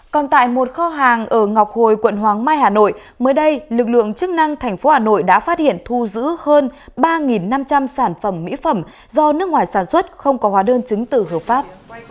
còn tại một kho hàng ở ngọc hồi quận hoàng mai hà nội mới đây lực lượng chức năng tp hà nội đã phát hiện thu giữ hơn ba năm trăm linh sản phẩm mỹ phẩm do nước ngoài sản xuất không có hóa đơn chứng tử hợp pháp